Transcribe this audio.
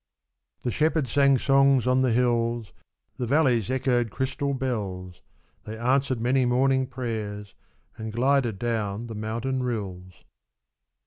The shepherd sang songs on the hills. The valleys echoed crystal bells, They answered many morning prayers And glided down the mountain rills.